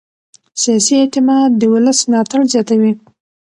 سیاسي اعتماد د ولس ملاتړ زیاتوي